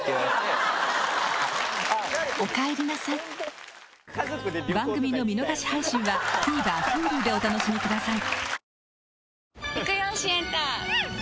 おかえりなさい番組の見逃し配信はＴＶｅｒＨｕｌｕでお楽しみください